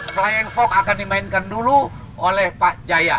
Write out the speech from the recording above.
flying fox akan dimainkan dulu oleh pak jaya